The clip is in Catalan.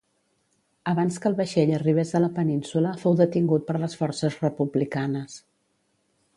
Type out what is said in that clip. Abans que el vaixell arribés a la península fou detingut per les forces republicanes.